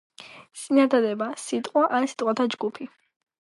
წინადადება — სიტყვა, ან სიტყვათა ჯგუფი,